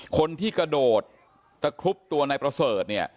คนที่กระโดดตะครุบตัวนายประเสริฐเนี่ย